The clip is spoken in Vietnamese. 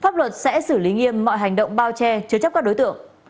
pháp luật sẽ xử lý nghiêm mọi hành động bao che chứa chấp các đối tượng